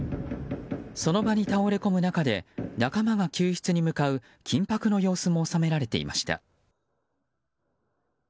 その場に倒れ込む中で仲間が救出に向かう緊迫の様子も収められていました。